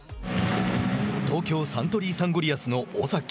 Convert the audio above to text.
東京サントリーサンゴリアスの尾崎。